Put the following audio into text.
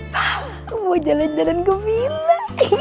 wah mau jalan jalan ke villa